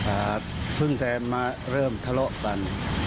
ครับเพิ่งจะมาเริ่มทะเลาะกัน